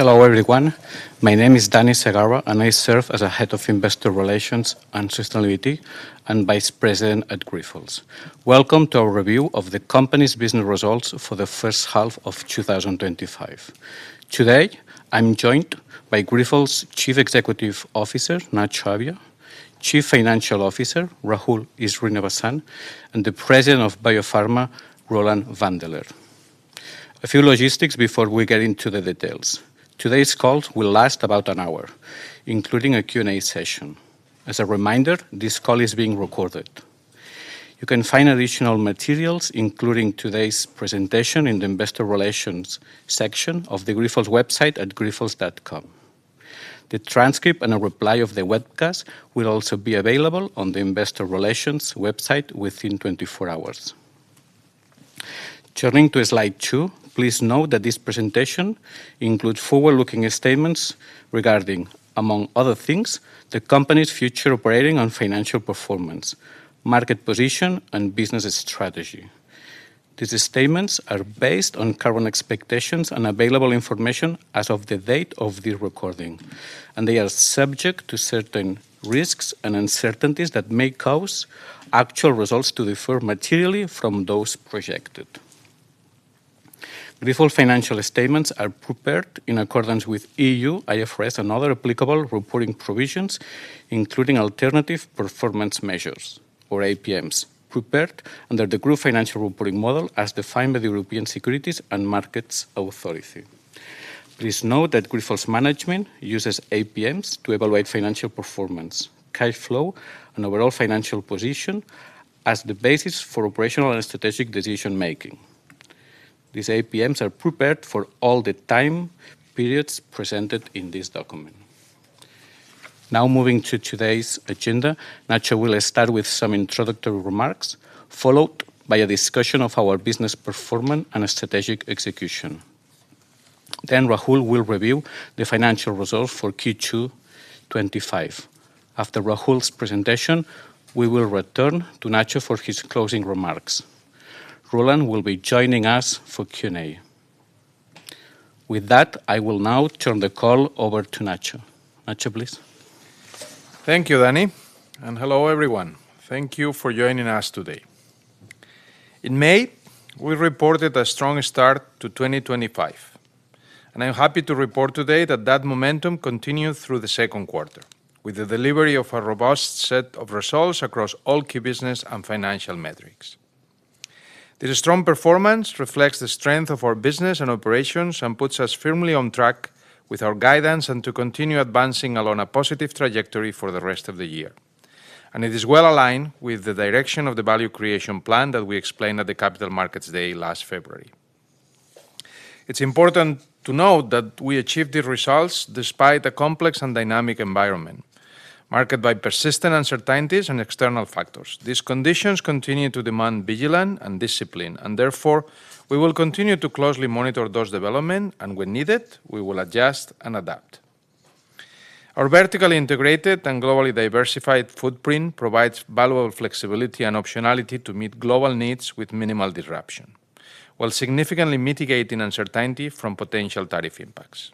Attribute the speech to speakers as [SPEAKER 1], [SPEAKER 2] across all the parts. [SPEAKER 1] Hello everyone. My name is Dani Segarra and I serve as Head of Investor Relations and Sustainability and Vice President at Grifols. Welcome to our Review of the company's business results for the first half of 2025. Today I'm joined by Grifols Chief Executive Officer Nacho Abia, Chief Financial Officer Rahul Srinivasan, and the President of Biopharma, Roland Wandeler. A few logistics before we get into the details. Today's call will last about an hour, including a Q&A session. As a reminder, this call is being recorded. You can find additional materials including today's presentation in the Investor Relations section of the Grifols website at grifols.com. The transcript and a replay of the webcast will also be available on the Investor Relations website within 24 hours. Turning to slide 2, please note that this presentation includes forward-looking statements regarding, among other things, the company's future operating and financial performance, market position, and business strategy. These statements are based on current expectations and available information as of the date of the recording, and they are subject to certain risks and uncertainties that may cause actual results to differ materially from those projected. Grifols financial statements are prepared in accordance with EU-IFRS and other applicable reporting provisions, including Alternative Performance Measures or APMs prepared under the Group Financial Reporting Model as defined by the European Securities and Markets Authority. Please note that Grifols management uses APMs to evaluate financial performance, cash flow, and overall financial position as the basis for operational and strategic decision making. These APMs are prepared for all the time periods presented in this document. Now moving to today's agenda, Nacho will start with some introductory remarks followed by a discussion of our business performance and strategic execution. Then Rahul will review the financial results for Q2. After Rahul's presentation, we will return to Nacho for his closing remarks. Roland will be joining us for Q&A. With that, I will now turn the call over to Nacho. Nacho, please.
[SPEAKER 2] Thank you Dani and hello everyone. Thank you for joining us today. In May we reported a strong start to 2025 and I am happy to report today that that momentum continued through the second quarter with the delivery of a robust set of results across all key business and financial metrics. This strong performance reflects the strength of our business and operations and puts us firmly on track with our guidance to continue advancing along a positive trajectory for the rest of the year. It is well aligned with the direction of the Value Creation Plan that we explained at the Capital Markets Day last February. It's important to note that we achieved these results despite a complex and dynamic environment marked by persistent uncertainties and external factors. These conditions continue to demand vigilance and discipline, therefore we will continue to closely monitor those developments and when needed, we will adjust and adapt. Our vertically integrated and globally diversified footprint provides valuable flexibility and optionality to meet global needs with minimal disruption while significantly mitigating uncertainty from potential tariff impacts.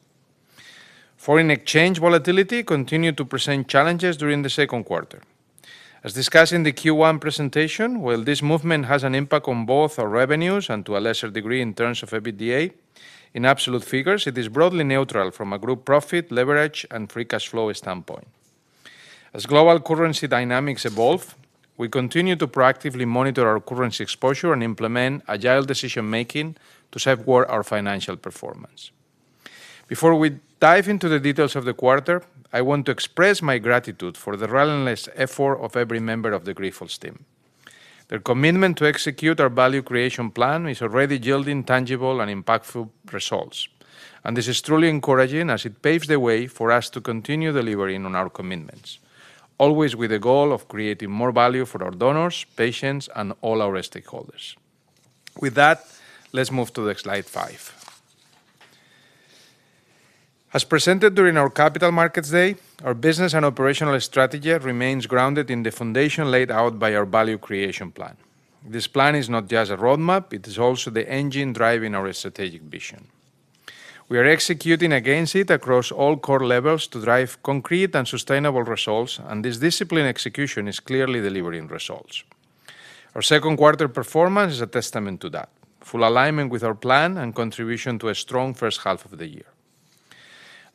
[SPEAKER 2] Foreign exchange volatility continued to present challenges during the second quarter as discussed in the Q1 presentation. While this movement has an impact on both our revenues and to a lesser degree in terms of EBITDA in absolute figures, it is broadly neutral from a group profit, leverage, and Free Cash Flow standpoint. As global currency dynamics evolve, we continue to proactively monitor our currency exposure and implement agile decision making to support our financial performance. Before we dive into the details of the quarter, I want to express my gratitude for the relentless effort of every member of the Grifols team. Their commitment to execute our Value Creation Plan is already yielding tangible and impactful results and this is truly encouraging as it paves the way for us to continue delivering on our commitments, always with the goal of creating more value for our donors, patients, and all our stakeholders. With that, let's move to slide 5. As presented during our Capital Markets Day, our business and operational strategy remains grounded in the foundation laid out by our Value Creation Plan. This plan is not just a roadmap, it is also the engine driving our strategic vision. We are executing against it across all core levels to drive concrete and sustainable results, and this disciplined execution is clearly delivering results. Our second quarter performance is a testament to that full alignment with our plan and contribution to a strong first half of the year.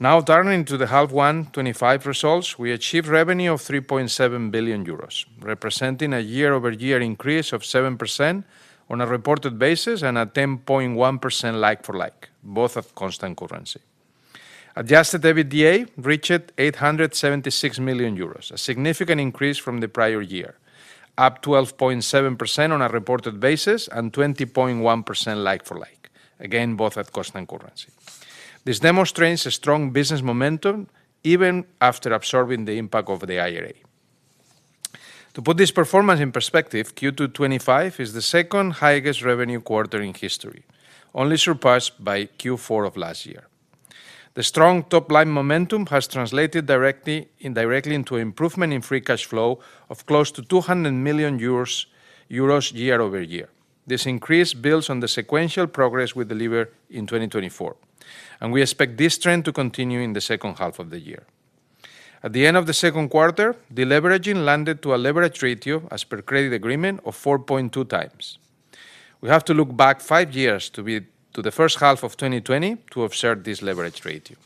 [SPEAKER 2] Now turning to the half one 2025 results, we achieved revenue of 3.7 billion euros, representing a year-over-year increase of 7% on a reported basis and a 10.1% like-for-like, both at constant currency. Adjusted EBITDA reached 876 million euros, a significant increase from the prior year, up 12.7% on a reported basis and 20.1% like-for-like, again both at constant currency. This demonstrates a strong business momentum even after absorbing the impact of the IRA. To put this performance in perspective, Q2 2025 is the second highest revenue quarter in history, only surpassed by Q4 of last year. The strong top-line momentum has translated directly into improvement in Free Cash Flow of close to 200 million euros year-over-year. This increase builds on the sequential progress we delivered in 2024, and we expect this trend to continue in the second half of the year. At the end of the second quarter, deleveraging landed to a leverage ratio as per credit agreement of 4.2x. We have to look back five years to the first half of 2020 to observe this leverage ratio.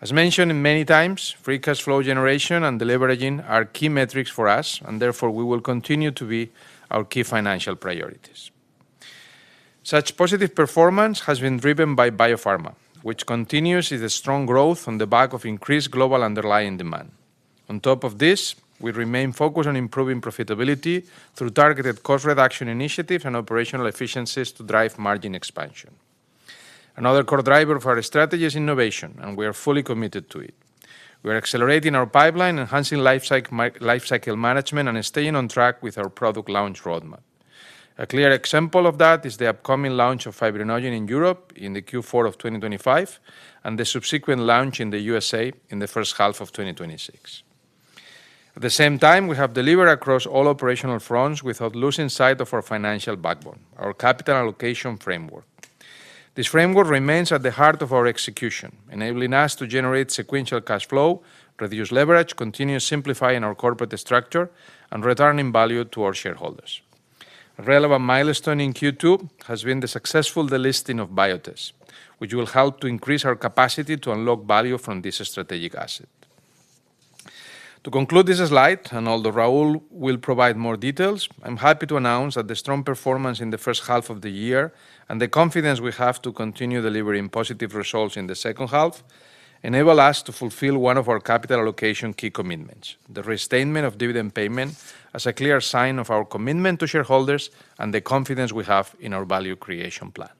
[SPEAKER 2] As mentioned many times, Free Cash Flow generation and deleveraging are key metrics for us, and therefore will continue to be our key financial priorities. Such positive performance has been driven by Biopharma, which continues the strong growth on the back of increased global underlying demand. On top of this, we remain focused on improving profitability through targeted cost reduction initiatives and operational efficiencies to drive margin expansion. Another core driver of our strategy is innovation, and we are fully committed to it. We are accelerating our pipeline, enhancing lifecycle management, and staying on track with our product launch roadmap. A clear example of that is the upcoming launch of Fibrinogen in Europe in Q4 2025 and the subsequent launch in the USA in the first half of 2026. At the same time, we have delivered across all operational fronts without losing sight of our financial backbone, our capital allocation framework. This framework remains at the heart of our execution, enabling us to generate sequential cash flow, reduce leverage, continue simplifying our corporate structure, and returning value to our shareholders. A relevant milestone in Q2 has been the successful delisting of Biotest, which will help to increase our capacity to unlock value from this strategic asset. To conclude this slide, and although Rahul will provide more details, I'm happy to announce that the strong performance in the first half of the year and the confidence we have to continue delivering positive results in the second half enable us to fulfill one of our capital allocation key, the restatement of dividend payment as a clear sign of our commitment to shareholders and the confidence we have in our Value Creation Plan.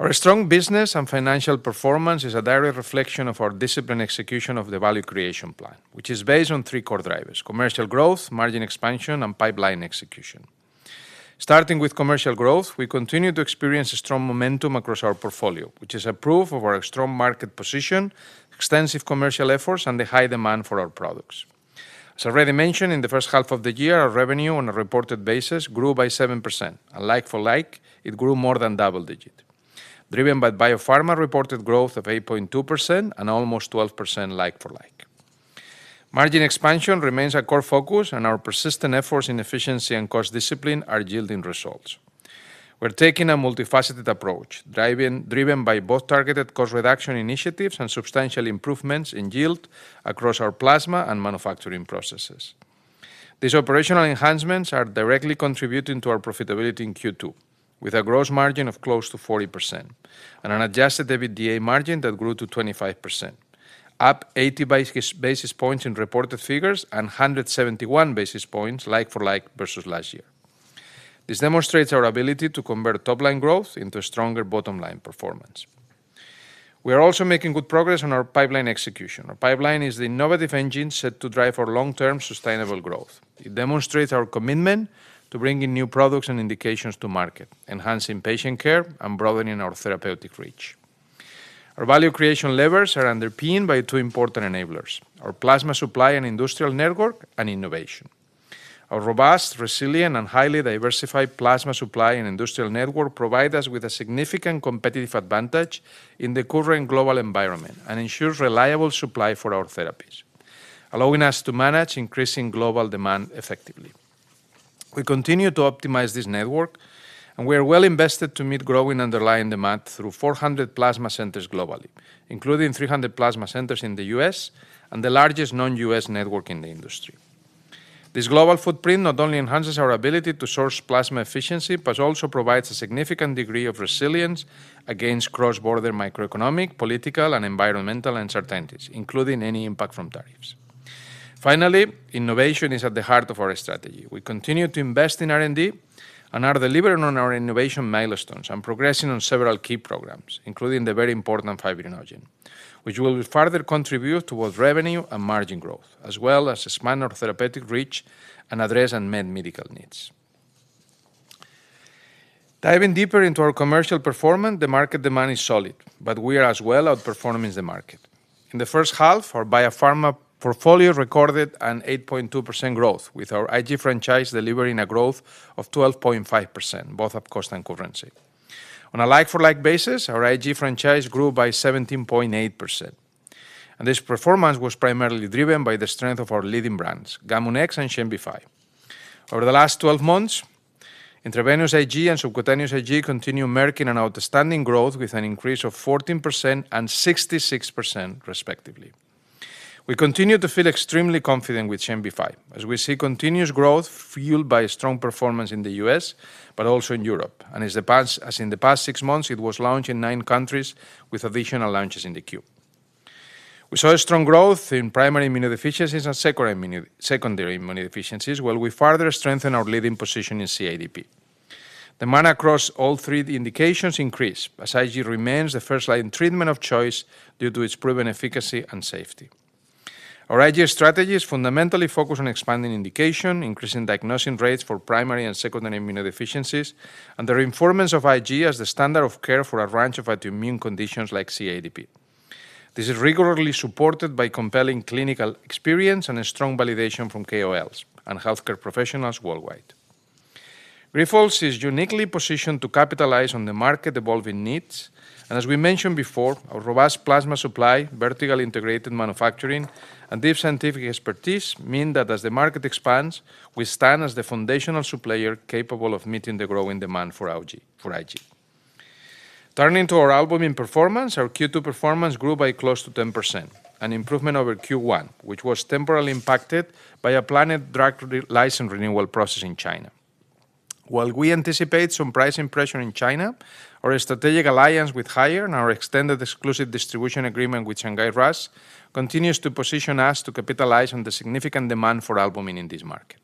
[SPEAKER 2] Our strong business and financial performance is a direct reflection of our disciplined execution of the Value Creation Plan, which is based on three core commercial growth, margin expansion, and Pipeline Execution. Starting with commercial growth, we continue to experience strong momentum across our portfolio, which is a proof of our strong market position, extensive commercial efforts, and the high demand for our products. As already mentioned, in the first half of the year our revenue on a reported basis grew by 7% and like-for-like, it grew more than double digit driven by Biopharma reported growth of 8.2% and almost 12% like-for-like. Margin expansion remains a core focus and our persistent efforts in efficiency and cost discipline are yielding results. We're taking a multifaceted approach driven by both targeted cost reduction initiatives and substantial improvements in yield across our plasma and manufacturing processes. These operational enhancements are directly contributing to our profitability in Q2 with a gross margin of close to 40% and an Adjusted EBITDA margin that grew to 25%, up 80 basis points in reported figures and 171 basis points like-for-like versus last year. This demonstrates our ability to convert top line growth into stronger bottom line performance. We are also making good progress on our Pipeline Execution. Our pipeline is the innovative engine set to drive for long term sustainable growth. It demonstrates our commitment to bringing new products and indications to market, enhancing patient care, and broadening our therapeutic reach. Our value creation levers are underpinned by two important enablers, our plasma supply and industrial network and innovation. Our robust, resilient, and highly diversified plasma supply and industrial network provide us with a significant competitive advantage in the current global environment and ensures reliable supply for our therapy, allowing us to manage increasing global demand effectively. We continue to optimize this network, and we are well invested to meet growing underlying demand through 400 plasma centers globally, including 300 plasma centers in the U.S. and the largest non-U.S. network in the industry. This global footprint not only enhances our ability to source plasma efficiently but also provides a significant degree of resilience against cross-border microeconomic, political, and environmental uncertainty, including any impact from tariffs. Finally, innovation is at the heart of our strategy. We continue to invest in R&D and are delivering on our innovation milestones and progressing on several key programs, including the very important Fibrinogen, which will further contribute towards revenue and margin growth as well as expand our therapeutic reach and address unmet medical needs. Diving deeper into our commercial performance, the market demand is solid, but we are as well outperforming the market. In the first half, our Biopharma portfolio recorded an 8.2% growth, with our IG franchise delivering a growth of 12.5%, both up cost and currency on a like-for-like basis. Our IG franchise grew by 17.8%, and this performance was primarily driven by the strength of our leading brands Gamunex and Xembify. Over the last 12 months, intravenous IG and subcutaneous IG continue marking an outstanding growth with an increase of 14% and 66%, respectively. We continue to feel extremely confident with Gamunex as we see continuous growth fueled by strong performance in the U.S. but also in Europe, and as in the past six months, it was launched in nine countries with additional launches in the queue. We saw strong growth in primary immunodeficiencies and secondary immunodeficiencies. While we further strengthened our leading position in CIDP, the demand across all three indications increased as IG remains the first line treatment of choice due to its proven efficacy and safety. Our IG strategies fundamentally focus on expanding indication, increasing diagnosis rates for primary and secondary immunodeficiencies, and the reinforcement of IG as the standard of care for a range of autoimmune conditions like CIDP. This is regularly supported by compelling clinical experience and strong validation from KOLs and healthcare professionals worldwide. Grifols is uniquely positioned to capitalize on the market's evolving needs, and as we mentioned before, our robust plasma supply, vertically integrated manufacturing, and deep scientific expertise mean that as the market expands, we stand as the foundational supplier capable of meeting the growing demand for IG. Turning to our Albumin performance, our Q2 performance grew by close to 10%, an improvement over Q1, which was temporarily impacted by a planned drug license renewal process in China. While we anticipate some pricing pressure in China, our strategic alliance with Haier and our extended exclusive distribution agreement with Shanghai RAAS continue to position us to capitalize on the significant demand for Albumin in this market.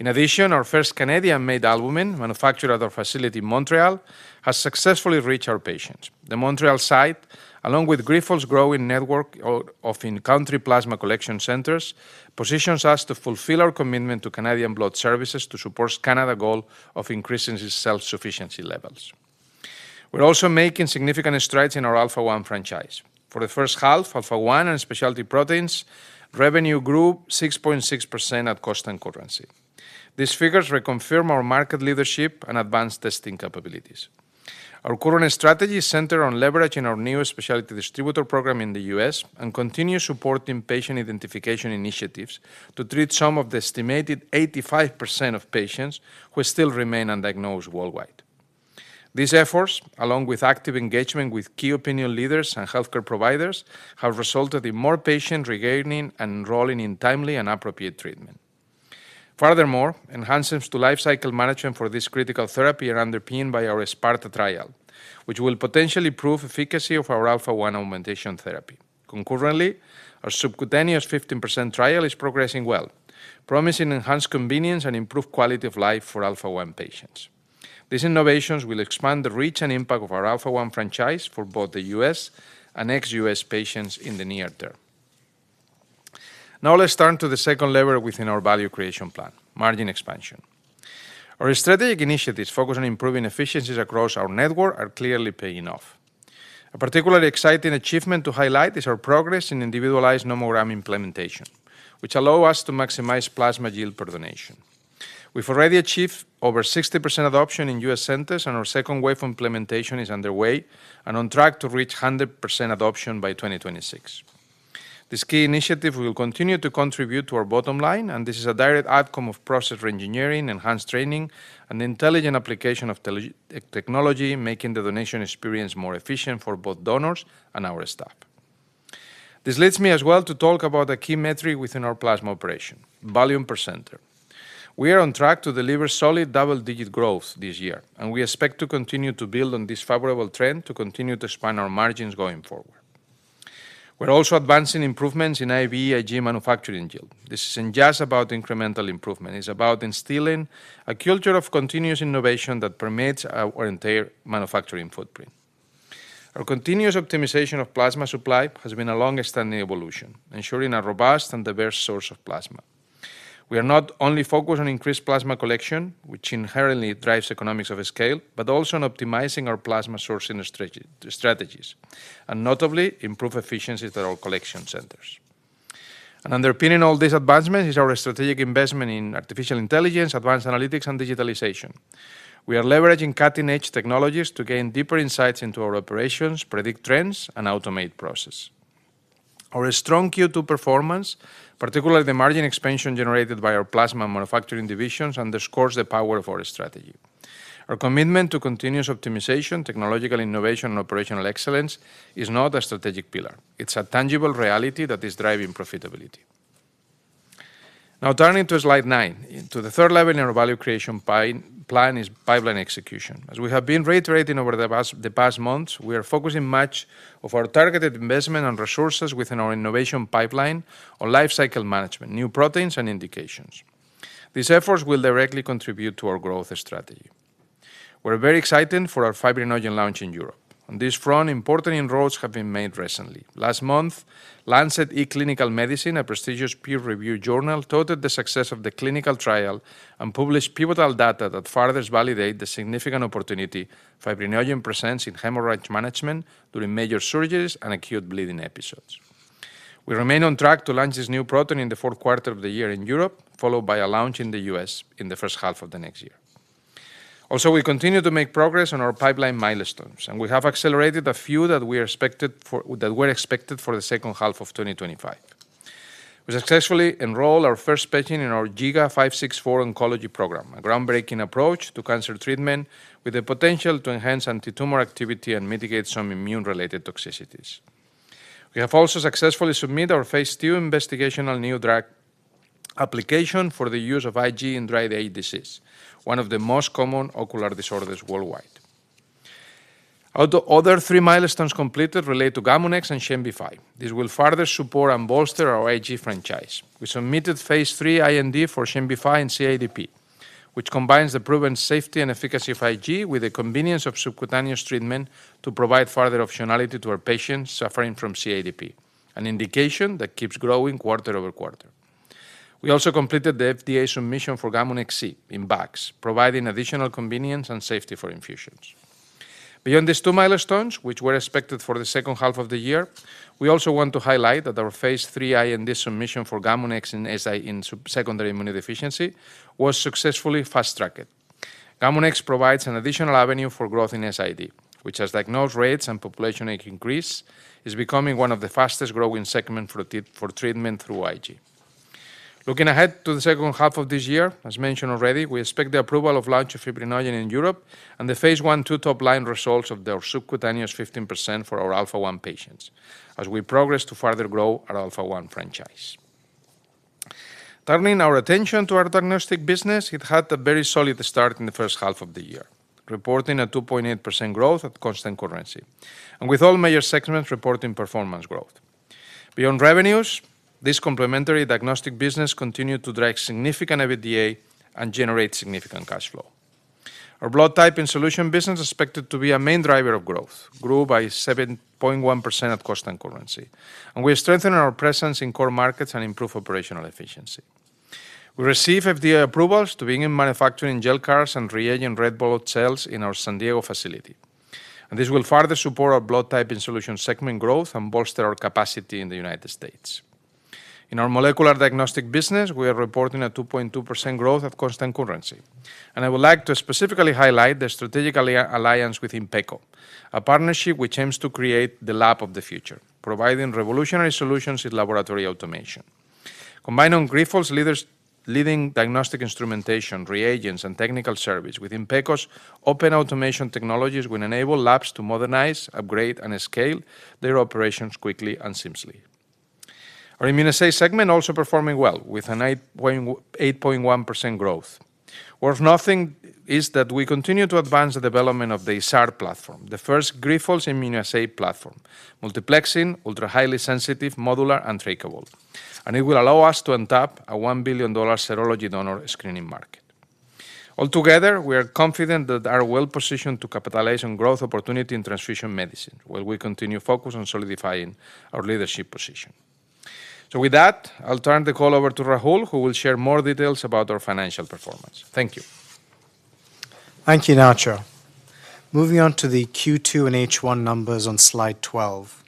[SPEAKER 2] In addition, our first Canadian-made Albumin manufactured at our facility in Montreal has successfully reached our patients. The Montreal site, along with Grifols' growing network of in-country plasma collection centers, positions us to fulfill our commitment to Canadian Blood Services to support Canada's goal of increasing its self-sufficiency levels. We're also making significant strides in our Alpha-1 franchise. For the first half, Alpha-1 and Specialty Proteins revenue grew 6.6% at constant currency. These figures reconfirm our market leadership and advanced testing capabilities. Our current strategy is centered on leveraging our new specialty distributor program in the U.S. and continuing to support patient identification initiatives to treat some of the estimated 85% of patients who still remain undiagnosed worldwide. These efforts, along with active engagement with key opinion leaders and healthcare providers, have resulted in more patients regaining and enrolling in timely and appropriate treatment. Furthermore, enhancements to lifecycle management for this critical therapy are underpinned by our SPARTA trial, which will potentially prove efficacy of our Alpha-1 augmentation therapy. Concurrently, our subcutaneous 15% trial is progressing well, promising enhanced convenience and improved quality of life for Alpha-1 patients. These innovations will expand the reach and impact of our Alpha-1 franchise for both the U.S. and ex-U.S. patients in the near term. Now let's turn to the second lever within our Value Creation Plan: margin expansion. Our strategic initiatives focused on improving efficiencies across our network are clearly paying off. A particularly exciting achievement to highlight is our progress in individualized nomogram implementation, which allows us to maximize plasma yield per donation. We've already achieved over 60% adoption in U.S. centers, and our second wave implementation is underway and on track to reach 100% adoption by 2026. This key initiative will continue to contribute to our bottom line, and this is a direct outcome of process re-engineering, enhanced training, and the intelligent application of technology, making the donation experience more efficient for both donors and our staff. This leads me as well to talk about a key metric within our plasma operation: volume per center. We are on track to deliver solid double-digit growth this year, and we expect to continue to build on this favorable trend to continue to expand our margins going forward. We're also advancing improvements in IVIG manufacturing yield. This isn't just about incremental improvement, it's about instilling a culture of continuous innovation that permeates our entire manufacturing footprint. Our continuous optimization of plasma supply has been a long-standing evolution, ensuring a robust and diverse source of plasma. We are not only focused on increased plasma collection, which inherently drives economies of scale, but also on optimizing our plasma sourcing strategies and notably improved efficiencies at our collection center. Underpinning all these advancements is our strategic investment in artificial intelligence, advanced analytics, and digitalization. We are leveraging cutting-edge technologies to gain deeper insights into our operations, predict trends, and automate processes. Our strong Q2 performance, particularly the margin expansion generated by our plasma manufacturing divisions, underscores the power of our strategy. Our commitment to continuous optimization, technological innovation, and operational excellence is not a strategic pillar, it's a tangible reality that is driving profitability. Now, turning to slide nine, the third lever in our Value Creation Plan is Pipeline Execution. As we have been reiterating over the past months, we are focusing much of our targeted investment and resources within our innovation pipeline on life cycle management, new proteins, and indications. These efforts will directly contribute to our growth strategy. We're very excited for our Fibrinogen launch in Europe. On this front, important inroads have been made recently. Last month, Lancet eClinicalMedicine, a prestigious peer review journal, touted the success of the clinical trial and published pivotal data that further validates the significant opportunity Fibrinogen presents in hemorrhage management during major surgeries and acute bleeding episodes. We remain on track to launch this new protein in the fourth quarter of the year in Europe, followed by a launch in the U.S. in the first half of the next year. Also, we continue to make progress on our pipeline milestones and we have accelerated a few that were expected for the second half of 2025. We successfully enrolled our first patient in our Giga 564 Oncology program, a groundbreaking approach to cancer treatment with the potential to enhance antitumor activity and mitigate some immune-related toxicities. We have also successfully submitted our phase 2 Investigational New Drug application for the use of IG in Dry Eye Disease, one of the most common ocular disorders worldwide. All the other three milestones completed relate to Gamunex and Xembify. This will further support and bolster our IG franchise. We submitted phase 3 IND for Xembify in CIDP, which combines the proven safety and efficacy of IG with the convenience of subcutaneous treatment to provide further optionality to our patients suffering from CIDP, an indication that keeps growing quarter over quarter. We also completed the FDA submission for Gamunex-C in BACS, providing additional convenience and safety for infusions. Beyond these two milestones which were expected for the second half of the year, we also want to highlight that our phase 3 IND submission for Gamunex in secondary immunodeficiency was successfully fast tracked. Gamunex provides an additional avenue for growth in SID, which as diagnosis rates and population increase, is becoming one of the fastest growing segments for treatment through IG. Looking ahead to the second half of this year, as mentioned already, we expect the approval and launch of Fibrinogen in Europe and the phase 1/2 top line results of the subcutaneous 15% for our Alpha-1 patients as we progress to further grow our Alpha-1 franchise. Turning our attention to our diagnostic business, it had a very solid start in the first half of the year, reporting a 2.8% growth at constant currency and with all major segments reporting performance growth beyond revenues. This complementary diagnostic business continued to drive significant EBITDA and generate significant cash flow. Our Blood Typing Solution business, expected to be a main driver of growth, grew by 7.1% at constant currency and we strengthened our presence in core markets and improved operational efficiency. We received FDA approvals to begin manufacturing gel cards and reagent red blood cells in our San Diego facility. This will further support our Blood Typing Solution segment growth and bolster our capacity in the U.S. In our Molecular Diagnostic business, we are reporting a 2.2% growth at constant currency and I would like to specifically highlight the strategic alliance with Inpeco, a partnership which aims to create the lab of the future, providing revolutionary solutions in laboratory automation. Combining Grifols' leading diagnostic instrumentation, reagents, and technical service with Inpeco's open automation technologies will enable labs to modernize, upgrade, and scale their operations quickly and seamlessly. Our Immunoassay segment also performed well with an 8.1% growth. Worth noting is that we continue to advance the development of the ISARD platform, the first Grifols Immunoassay platform multiplexing, ultra highly sensitive, modular, and trackable, and it will allow us to untap a $1 billion serology donor screening market. Altogether, we are confident that we are well positioned to capitalize on growth opportunity in transfusion medicine while we continue to focus on solidifying our leadership position. I'll turn the call over to Rahul who will share more details about our financial performance. Thank you.
[SPEAKER 3] Thank you Nacho. Moving on to the Q2 and H1 numbers on Slide 12,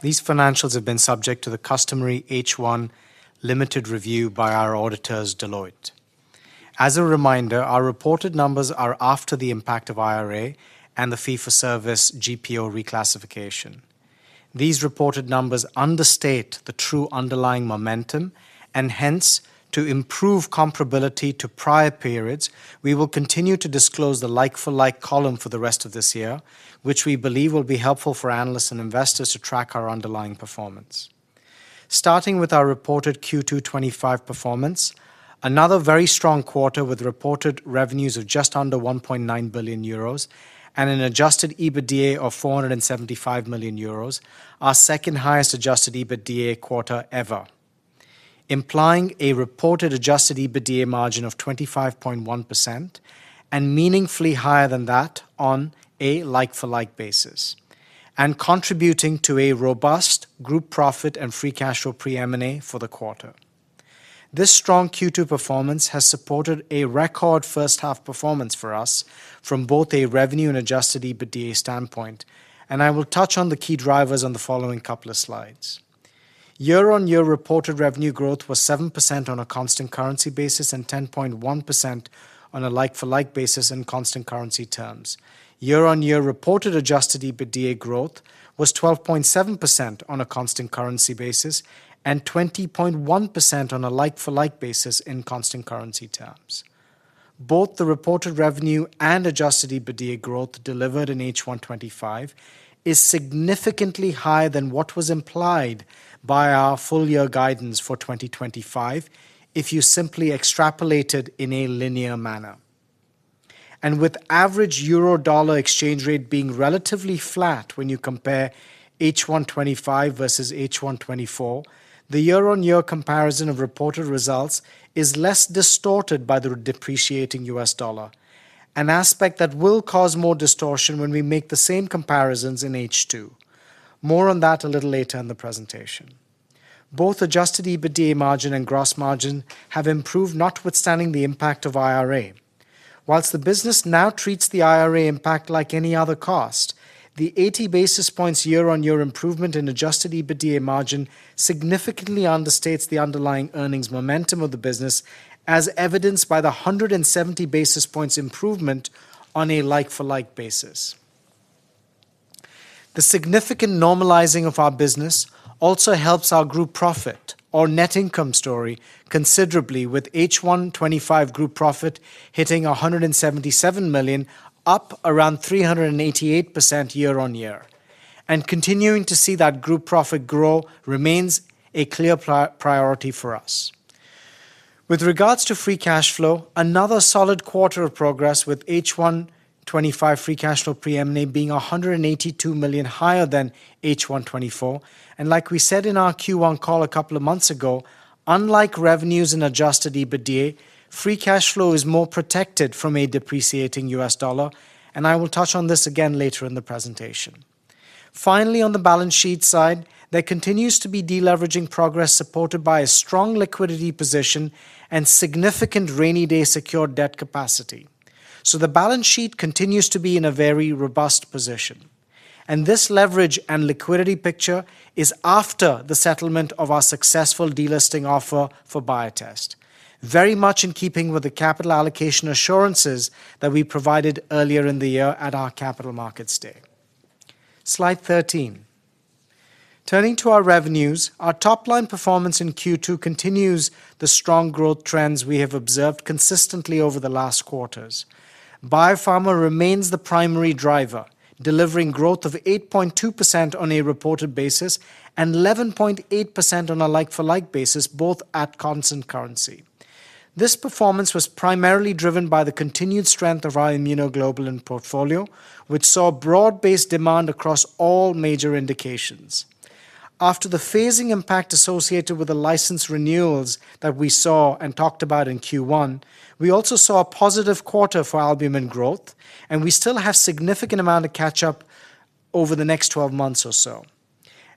[SPEAKER 3] these financials have been subject to the customary H1 limited review by our auditors Deloitte. As a reminder, our Reported numbers are after the impact of IRA and the Fee for Service GPO reclassification. These reported numbers understate the true underlying momentum and, hence, to improve comparability to prior periods, we will continue to disclose the like-for-like column for the rest of this year, which we believe will be helpful for analysts and investors to track our underlying performance. Starting with our reported Q2 2025 performance, another very strong quarter with reported revenues of just under 1.9 billion euros and an Adjusted EBITDA of 475 million euros. Our second highest Adjusted EBITDA quarter ever, implying a reported Adjusted EBITDA margin of 25.1% and meaningfully higher than that on a like-for-like basis and contributing to a robust group profit and Free Cash Flow pre-M&A for the quarter. This strong Q2 performance has supported a record first half performance for us from both a revenue and Adjusted EBITDA standpoint, and I will touch on the key drivers on the following couple of slides. Year on year, reported revenue growth was 7% on a constant currency basis and 10.1% on a like-for-like basis in constant currency terms. Year on year, reported Adjusted EBITDA growth was 12.7% on a constant currency basis and 20.1% on a like-for-like basis in constant currency terms. Both the reported revenue and Adjusted EBITDA growth delivered in H1 2025 is significantly higher than what was implied by our full year guidance for 2025 if you simply extrapolated in a linear manner and with average Euro dollar exchange rate being relatively flat. When you compare H1 2025 versus H1 2024, the year on year comparison of reported results is less distorted by the depreciating U.S. dollar, an aspect that will cause more distortion when we make the same comparisons in H2. More on that a little later in the presentation. Both Adjusted EBITDA margin and gross margin have improved notwithstanding the impact of IRA. Whilst the business now treats the IRA impact like any other cost, the 80 basis points year on year improvement in Adjusted EBITDA margin significantly understates the underlying earnings momentum of the business, as evidenced by the 170 basis points improvement on a like-for-like basis. The significant normalizing of our business also helps our group profit or net income story considerably with H1 2025 group profit hitting $177 million, up around 388% year-on-year, and continuing to see that group profit grow remains a clear priority for us. With regards to Free Cash Flow, another solid quarter of progress with H1 2025 Free Cash Flow pre-M&A being $182 million higher than H1 2024, and like we said in our Q1 call a couple of months ago, unlike revenues and Adjusted EBITDA, Free Cash Flow is more protected from a depreciating U.S. dollar, and I will touch on this again later in the presentation. Finally, on the balance sheet side, there continues to be deleveraging progress supported by a strong liquidity position and significant rainy day secured debt capacity. The balance sheet continues to be in a very robust position, and this leverage and liquidity picture is after the settlement of our successful delisting offer for Biotest, very much in keeping with the capital allocation assurances that we provided earlier in the year at our Capital Markets Day slide 13. Turning to our revenues, our top line performance in Q2 continues the strong growth trends we have observed consistently over the last quarters. Biopharma remains the primary driver, delivering growth of 8.2% on a reported basis and 11.8% on a like-for-like basis, both at constant currency. This performance was primarily driven by the continued strength of our immunoglobulin portfolio, which saw broad-based demand across all major indications after the phasing impact associated with the license renewals that we saw and talked about in Q1. We also saw a positive quarter for Albumin growth, and we still have a significant amount of catch up over the next 12 months or so,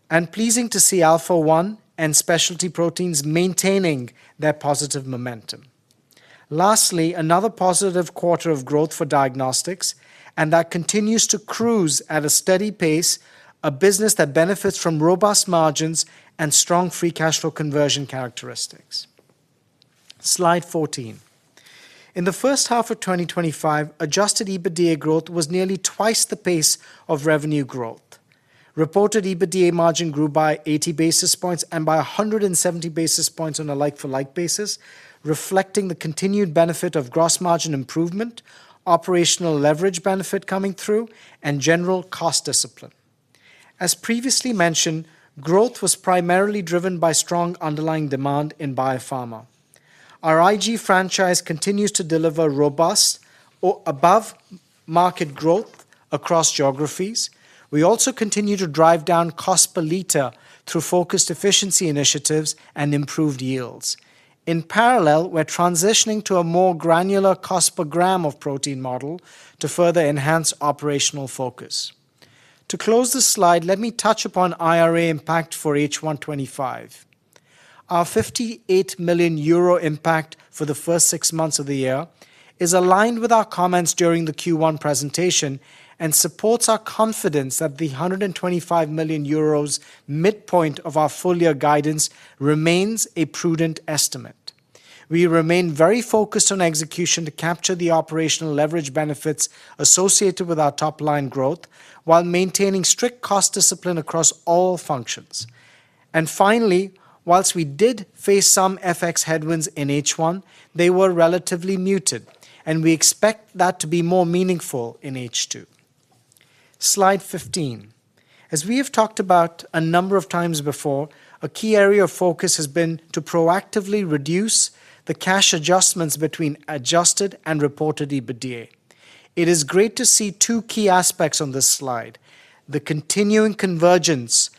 [SPEAKER 3] and pleasing to see Alpha-1 and specialty proteins maintaining their positive momentum. Lastly, another positive quarter of growth for Diagnostics, and that continues to cruise at a steady pace, a business that benefits from robust margins and strong Free Cash Flow conversion characteristics. Slide 14, in the first half of 2025, Adjusted EBITDA growth was nearly twice the pace of revenue growth. Reported EBITDA margin grew by 80 basis points and by 170 basis points on a like-for-like basis, reflecting the continued benefit of gross margin improvement, operational leverage benefit coming through, and general cost discipline. As previously mentioned, growth was primarily driven by strong underlying demand in biopharma. Our IG franchise continues to deliver robust or above market growth across geographies. We also continue to drive down cost per liter through focused efficiency initiatives and improved yields. In parallel, we're transitioning to a more granular cost per gram of protein model to further enhance operational focus. To close the slide, let me touch upon IRA impact for H1 2025. Our 58 million euro impact for the first six months of the year is aligned with our comments during the Q1 presentation and supports our confidence that the 125 million euros midpoint of our full year guidance remains a prudent estimate. We remain very focused on execution to capture the operational leverage benefits associated with our top line growth while maintaining strict cost discipline across all functions. Whilst we did face some FX headwinds in H1, they were relatively muted and we expect that to be more meaningful in H2. Slide 15, as we have talked about a number of times before, a key area of focus has been to proactively reduce the cash adjustments between adjusted and reported EBITDA. It is great to see two key aspects on this slide: the continuing convergence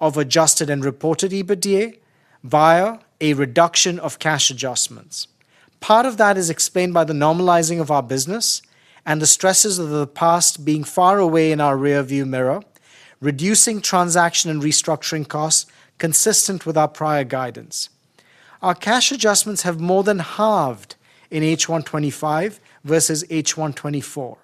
[SPEAKER 3] of adjusted and reported EBITDA via a reduction of cash adjustments. Part of that is explained by the normalizing of our business and the stresses of the past being far away in our rear view mirror, reducing transaction and restructuring costs. Consistent with our prior guidance, our cash adjustments have more than halved in H1 2025 versus H1 2024.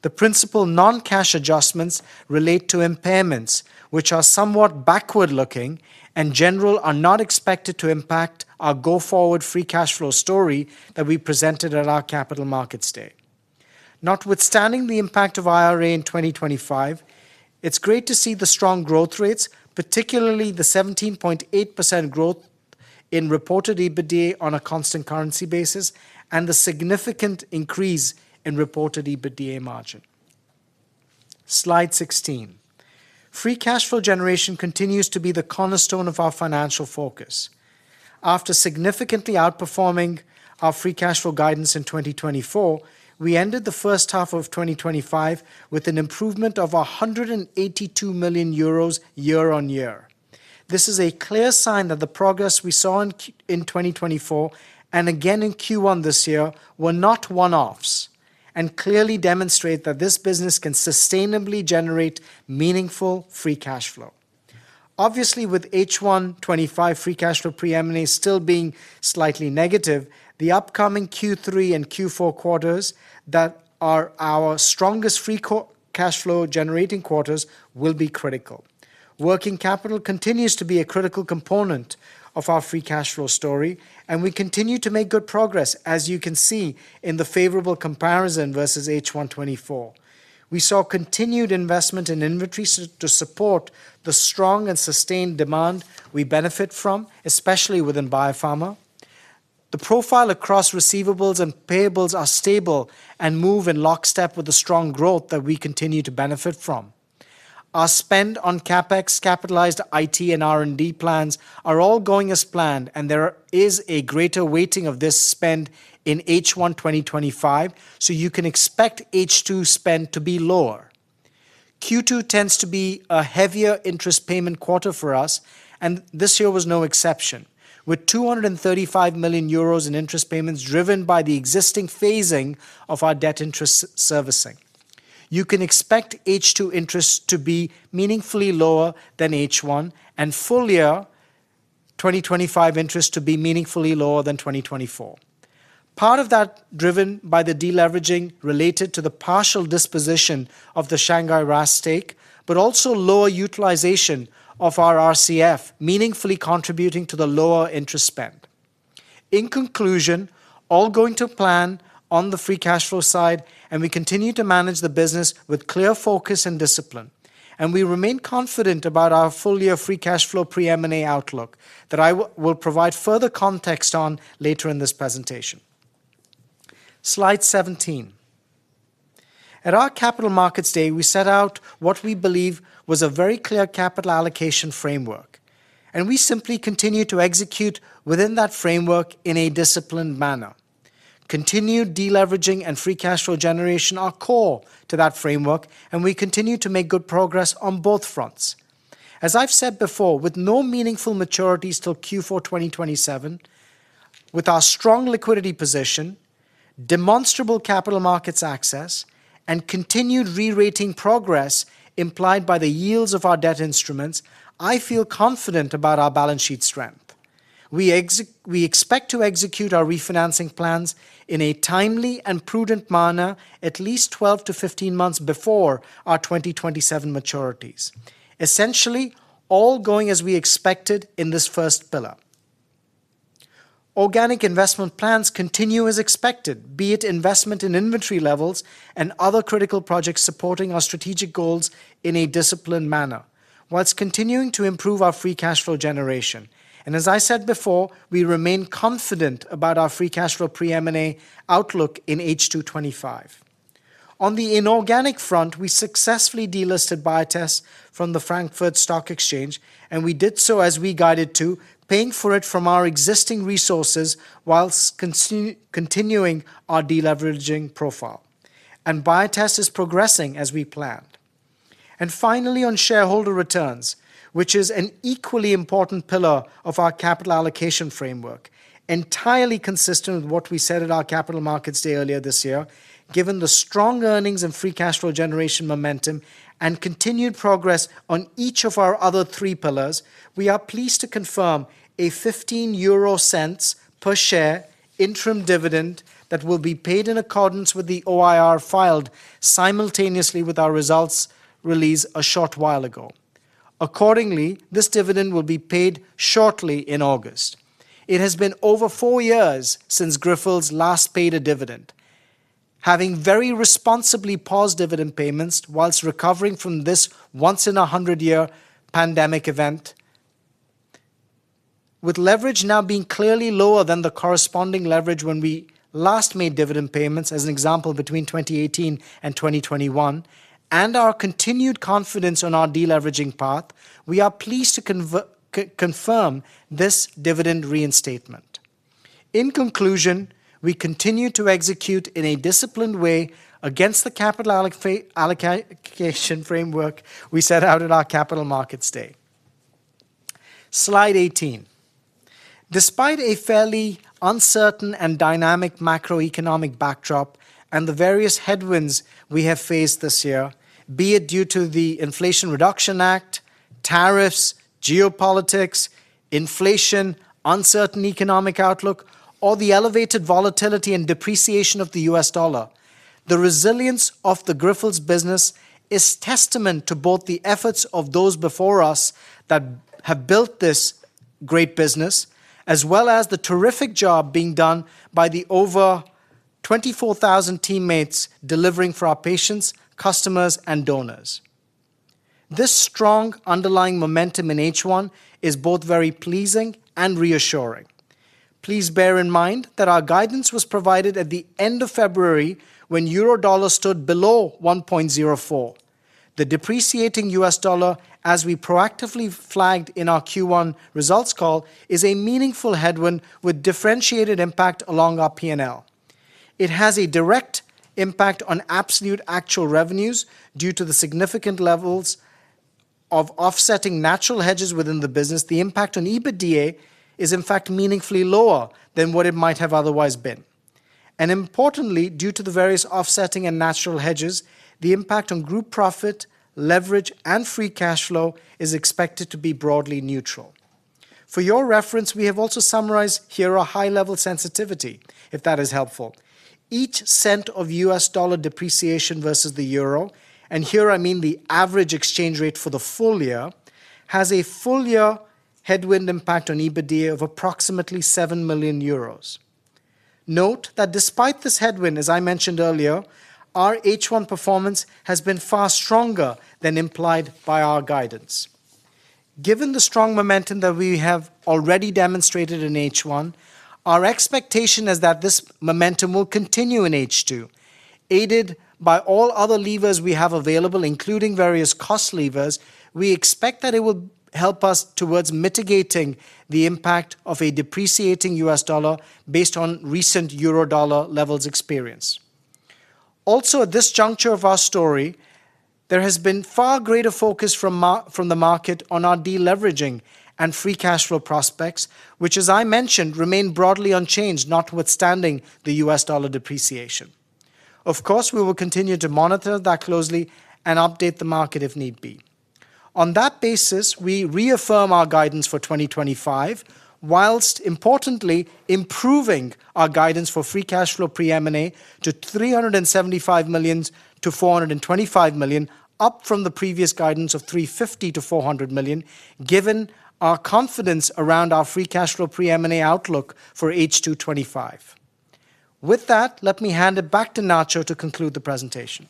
[SPEAKER 3] The principal non-cash adjustments relate to impairments, which are somewhat backward looking and in general are not expected to impact our go forward Free Cash Flow story that we presented at our Capital Markets Day. Notwithstanding the impact of IRA in 2025, it's great to see the strong growth rates, particularly the 17.8% growth in reported EBITDA on a constant currency basis and the significant increase in reported EBITDA margin. Slide 16, Free Cash Flow generation continues to be the cornerstone of our financial focus. After significantly outperforming our Free Cash Flow guidance in 2024, we ended the first half of 2025 with an improvement of -182 million euros year on-year. This is a clear sign that the progress we saw in 2024 and again in Q1 this year were not one offs and clearly demonstrate that this business can sustainably generate meaningful Free Cash Flow. Obviously, with H1 2025 Free Cash Flow pre-M&A still being slightly negative, the upcoming Q3 and Q4 quarters that are our strongest Free Cash Flow generating quarters will be critical. Working capital continues to be a critical component of our Free Cash Flow story, and we continue to make good progress. As you can see in the favorable comparison versus H1 2024, we saw continued investment in inventory to support the strong and sustained demand we benefit from, especially within Biopharma. The profile across receivables and payables is stable and moves in lockstep with the strong growth that we continue to benefit from. Our spend on CapEx, capitalized IT, and R&D plans are all going as planned, and there is a greater weighting of this spend in H1 2025, so you can expect H2 spend to be lower. Q2 tends to be a heavier interest payment quarter for us, and this year was no exception. With 235 million euros in interest payments driven by the existing phasing of our debt interest servicing, you can expect H2 interest to be meaningfully lower than H1, and full year 2025 interest to be meaningfully lower than 2024, part of that driven by the deleveraging related to the partial disposition of the Shanghai RAAS stake, but also lower utilization of our RCF meaningfully contributing to the lower interest spend. In conclusion, all going to plan on the Free Cash Flow side, and we continue to manage the business with clear focus and discipline, and we remain confident about our full year Free Cash Flow pre-M&A outlook that I will provide further context on later in this presentation. Slide 17, at our Capital Markets Day, we set out what we believe was a very clear capital allocation framework, and we simply continue to execute within that framework in a disciplined manner. Continued deleveraging and Free Cash Flow generation are core to that framework, and we continue to make good progress on both fronts. As I've said before, with no meaningful maturities till Q4 2027, with our strong liquidity position, demonstrable capital markets access, and continued re-rating progress as implied by the yields of our debt instruments, I feel confident about our balance sheet strength. We expect to execute our refinancing plans in a timely and prudent manner at least 12 to 15 months before our 2027 maturities, essentially all going as we expected in this first pillar. Organic investment plans continue as expected, be it investment in inventory levels and other critical projects, supporting our strategic goals and in a disciplined manner whilst continuing to improve our Free Cash Flow generation. As I said before, we remain confident about our Free Cash Flow pre-M&A outlook in H2 2025. On the inorganic front, we successfully delisted Biotest from the Frankfurt Stock Exchange and we did so as we guided to, paying for it from our existing resources whilst continuing our deleveraging profile. Biotest is progressing as we planned. Finally, on shareholder returns, which is an equally important pillar of our capital allocation framework, entirely consistent with what we said at our Capital Markets Day earlier this year. Given the strong earnings and Free Cash Flow generation momentum and continued progress on each of our other three pillars, we are pleased to confirm a 0.15 per share interim dividend that will be paid in accordance with the OIR filed simultaneously with our results released a short while ago. Accordingly, this dividend will be paid shortly in August. It has been over four years since Grifols last paid a dividend, having very responsibly paused dividend payments whilst recovering from this once in a hundred year pandemic event, with leverage now being clearly lower than the corresponding leverage when we last made dividend payments, as an example between 2018 and 2021, and our continued confidence on our deleveraging path, we are pleased to confirm this dividend reinstatement. In conclusion, we continue to execute in a disciplined way against the capital framework we set out at our Capital Markets Day, slide 18, despite a fairly uncertain and dynamic macroeconomic backdrop and the various headwinds we have faced this year, be it due to the Inflation Reduction Act, tariffs, geopolitics, inflation, uncertain economic outlook, or the elevated volatility and depreciation of the U.S. dollar. The resilience of the Grifols business is testament to both the efforts of those before us that have built this great business as well as the terrific job being done by the over 24,000 teammates delivering for our patients, customers, and donors. This strong underlying momentum in H1 is both very pleasing and reassuring. Please bear in mind that our guidance was provided at the end of February when Eurodollar stood below 1.04. The depreciating U.S. dollar, as we proactively flagged in our Q1 results call, is a meaningful headwind with differentiated impact along our P&L. It has a direct impact on absolute actual revenues. Due to the significant levels of offsetting natural hedges within the business, the impact on EBITDA is in fact meaningfully lower than what it might have otherwise been, and importantly, due to the various offsetting and natural hedges, the impact on group profit, leverage, and Free Cash Flow is expected to be broadly neutral. For your reference, we have also summarized here a high-level sensitivity if that is helpful. Each cent of U.S. dollar depreciation versus the Euro, and here I mean the average exchange rate for the full year, has a full-year headwind impact on EBITDA of approximately 7 million euros. Note that despite this headwind, as I mentioned earlier, our H1 performance has been far stronger than implied by our guidance. Given the strong momentum that we have already demonstrated in H1, our expectation is that this momentum will continue in H2, aided by all other levers we have available, including various cost levers. We expect that it will help us towards mitigating the impact of a depreciating U.S. dollar based on recent Euro dollar levels experience. Also, at this juncture of our story, there has been far greater focus from the market on our deleveraging and Free Cash Flow prospects, which, as I mentioned, remain broadly unchanged notwithstanding the U.S. dollar depreciation. Of course, we will continue to monitor that closely and update the market if need be. On that basis, we reaffirm our guidance for 2025, whilst importantly improving our guidance for Free Cash Flow pre-M&A to 375 million-425 million, up from the previous guidance of 350 million-400 million, given our confidence around our Free Cash Flow pre-M&A outlook for H2 2025. With that, let me hand it back to Nacho Abia to conclude the presentation.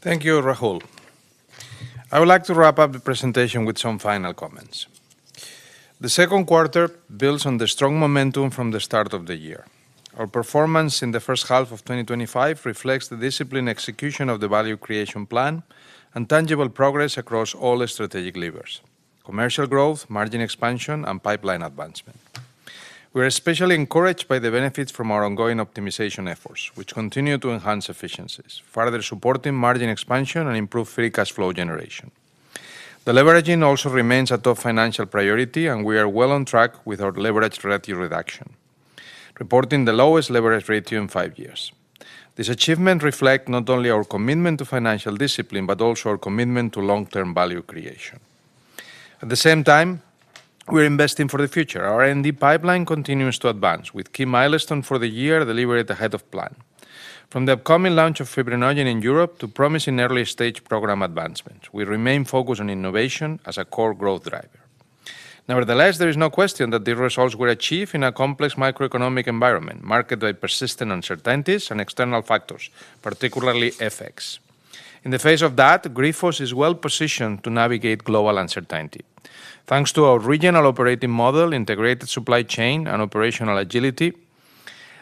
[SPEAKER 2] Thank you, Rahul. I would like to wrap up the presentation with some final comments. The second quarter builds on the strong momentum from the start of the year. Our performance in the first half of 2025 reflects the disciplined execution of the Value Creation Plan and tangible progress across all strategic levers, commercial growth, margin expansion, and pipeline advancement. We are especially encouraged by the benefits from our ongoing optimization efforts, which continue to enhance efficiencies, further supporting margin expansion and improved Free Cash Flow generation. Deleveraging also remains a top financial priority, and we are well on track with our leverage ratio reduction, reporting the lowest leverage ratio in five years. These achievements reflect not only our commitment to financial discipline but also our commitment to long-term value creation. At the same time, we're investing for the future, and the pipeline continues to advance with key milestones for the year delivered ahead of plan. From the upcoming launch of Fibrinogen in Europe to promising early-stage program advancements, we remain focused on innovation as a core growth driver. Nevertheless, there is no question that the results were achieved in a complex macroeconomic environment marked by persistent uncertainties and external factors, particularly FX. In the face of that, Grifols is well positioned to navigate global uncertainty thanks to our regional operating model, integrated supply chain, and operational agility.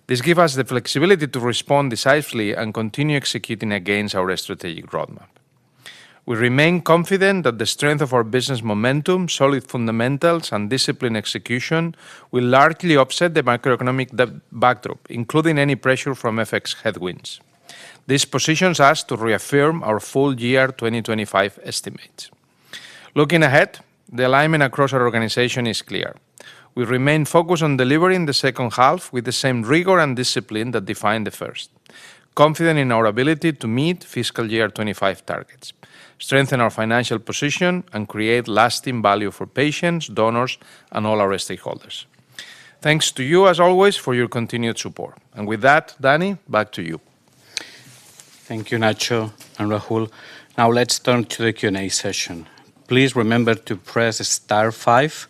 [SPEAKER 2] This gives us the flexibility to respond decisively and continue executing against our strategic roadmap. We remain confident that the strength of our business momentum, solid fundamentals, and disciplined execution will largely offset the macroeconomic backdrop, including any pressure from FX headwinds. This positions us to reaffirm our full-year 2025 estimates. Looking ahead, the alignment across our organization is clear. We remain focused on delivering the second half with the same rigor and discipline that defined the first, confident in our ability to meet fiscal year 2025 targets, strengthen our financial position, and create lasting value for patients, donors, and all our stakeholders. Thank you as always for your continued support. With that, Dani, back to you.
[SPEAKER 1] Thank you, Nacho and Rahul. Now let's turn to the Q and A session. Please remember to press star 5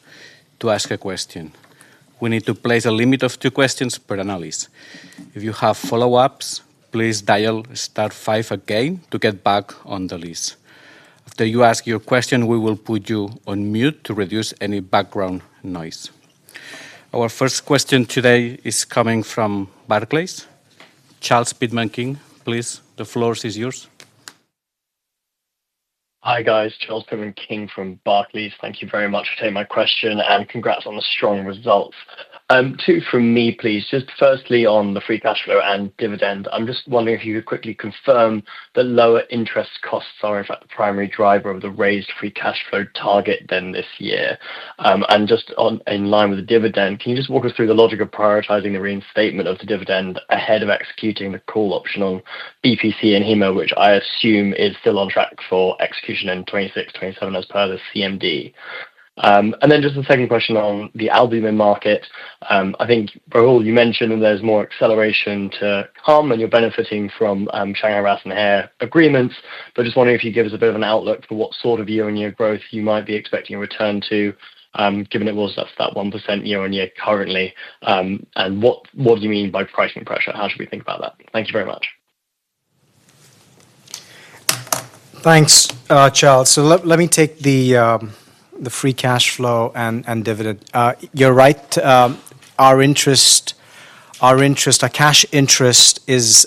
[SPEAKER 1] to ask a question. We need to place a limit of two questions per analyst. If you have follow ups, please dial star 5 again to get back on the list. After you ask your question, we will put you on mute to reduce any background noise. Our first question today is coming from Barclays. Charles Pitman-King, please. The floor is yours.
[SPEAKER 4] Hi guys, Charles Pitman-King from Barclays. Thank you very much for taking my question and congrats on the strong results. Two from me please. Just firstly on the Free Cash Flow and dividend, I'm just wondering if you could quickly confirm that lower interest costs are in fact the primary driver of the raised Free Cash Flow target this year and just in line with the dividend, can you just walk us through the logic of prioritizing the reinstatement of the dividend ahead of executing the call option on BPC and Haema, which I assume is still on track for execution in 2026-2027 as per the CMD. The second question on the Albumin market, I think Rahul, you mentioned there's more acceleration to come and you're benefiting from Shanghai RAAS and Haier agreements. Just wondering if you could give us a bit of an outlook for what sort of year-on-year growth you might be expecting a return to given it was at 1% year-on-year currently. What do you mean by pricing pressure, how should we think about that? Thank you very much.
[SPEAKER 3] Thanks, Charles. Let me take the Free Cash Flow and dividend. You're right, our cash interest is,